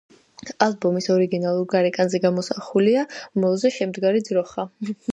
ალბომის ორიგინალურ გარეკანზე გამოსახულია მოლზე შემდგარი ძროხა.